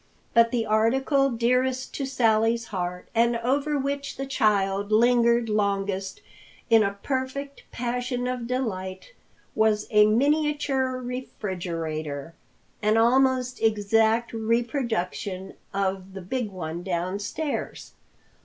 But the article dearest to Sally's heart, and over which the child lingered longest in a perfect passion of delight was a miniature refrigerator, an almost exact reproduction of the big one downstairs.